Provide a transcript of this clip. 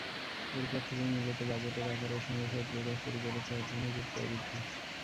এরপর থেকেই মূলত বাজেটের আকারের সঙ্গে শত্রুতা শুরু করেছে অর্থনীতির প্রবৃদ্ধি।